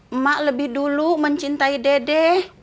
emak lebih dulu mencintai dede